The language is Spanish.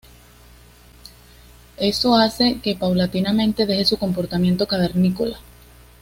Eso hace que paulatinamente deje su comportamiento cavernícola.